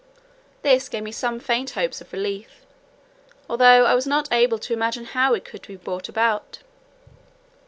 This gave me some faint hopes of relief, although I was not able to imagine how it could be brought about.